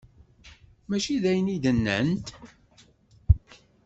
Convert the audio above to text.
Mačči d ayen i d-nnant.